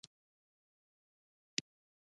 خو همدا پټانان و.